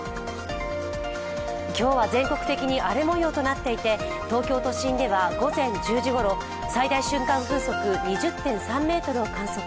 今日は全国的に荒れもようとなっていて、東京都心では午前１０時ごろ最大瞬間風速２０．３メートルを観測。